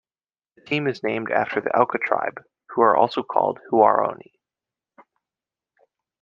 The team is named after the Auca tribe, who are also called "Huaorani".